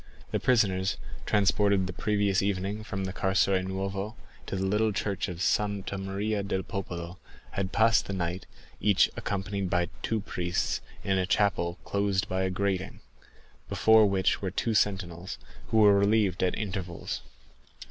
The prisoners, transported the previous evening from the Carceri Nuove to the little church of Santa Maria del Popolo, had passed the night, each accompanied by two priests, in a chapel closed by a grating, before which were two sentinels, who were relieved at intervals.